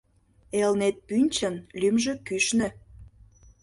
Элнет пӱнчын лӱмжӧ кӱшнӧ